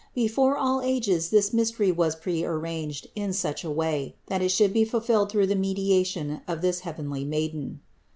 Before all ages this mystery was prearranged in such a way, that it should be fulfilled through the mediation of this heavenly Maiden.